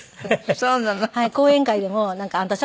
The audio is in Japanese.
そうなの？